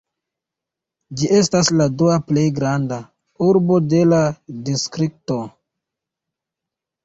Ĝi estas la dua plej granda urbo de la distrikto.